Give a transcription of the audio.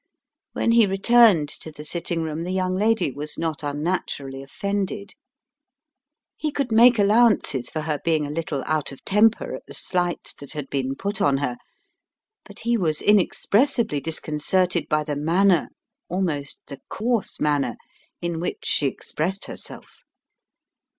When he returned to the sitting room the young lady was not unnaturally offended. He could make allowances for her being a little out of temper at the slight that had been put on her; but he was inexpressibly disconcerted by the manner almost the coarse manner in which she expressed herself.